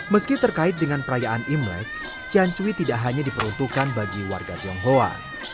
meski terkait dengan perayaan imlek ciancui tidak hanya diperuntukkan bagi warga tionghoa